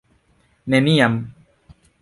Neniam!